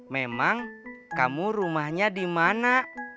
memang kamu rumahnya di mana